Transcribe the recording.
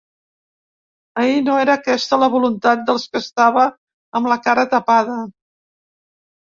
Ahir no era aquesta la voluntat dels que estava amb la cara tapada.